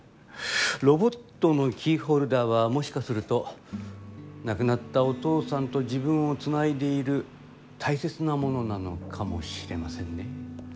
ロボットのキーホルダーはもしかすると亡くなったお父さんと自分をつないでいるたいせつなものなのかもしれませんね。